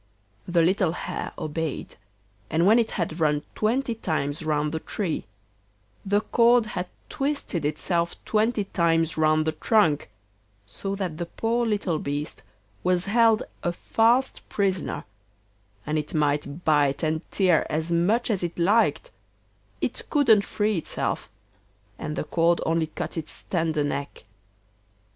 The little Hare obeyed, and when it had run twenty times round the tree, the cord had twisted itself twenty times round the trunk, so that the poor little beast was held a fast prisoner, and it might bite and tear as much as it liked, it couldn't free itself, and the cord only cut its tender neck.